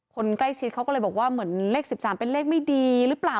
คนใกล้ชิดเขาก็เลยบอกว่าเหมือนเลข๑๓เป็นเลขไม่ดีหรือเปล่า